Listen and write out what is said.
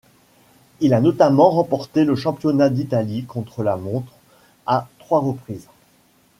Il a notamment remporté le championnat d'Italie contre-la-montre à trois reprises.